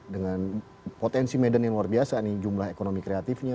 dengan potensi medan yang luar biasa nih jumlah ekonomi kreatifnya